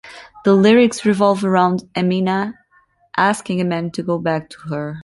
The lyrics revolve around Emina asking a man to go back to her.